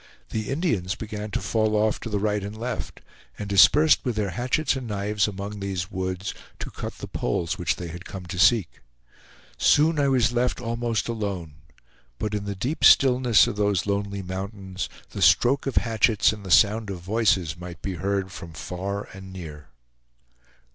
The Indians began to fall off to the right and left, and dispersed with their hatchets and knives among these woods, to cut the poles which they had come to seek. Soon I was left almost alone; but in the deep stillness of those lonely mountains, the stroke of hatchets and the sound of voices might be heard from far and near.